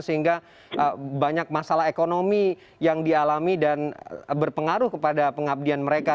sehingga banyak masalah ekonomi yang dialami dan berpengaruh kepada pengabdian mereka